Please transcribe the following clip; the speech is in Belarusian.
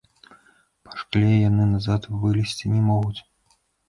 Па шкле яны назад вылезці не могуць.